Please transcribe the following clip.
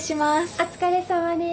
お疲れさまです。